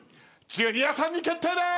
ジュニアさんに決定です！